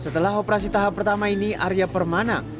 setelah operasi tahap pertama ini arya permana